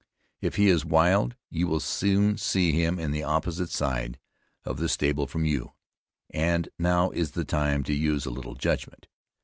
If he is wild you will soon see him in the opposite side of the stable from you; and now is the time to use a little judgement.